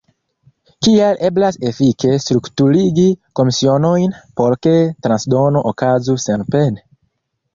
Kiel eblas efike strukturigi komisionojn, por ke transdono okazu senpene?